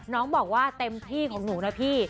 น้องบอกว่าเต็มที่ของหนูนะพี่